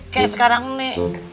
kayak sekarang ini